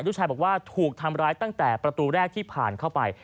ลูกชายบอกว่าถูกทำร้ายตั้งแต่ประตูแรกที่ผ่านเข้าไป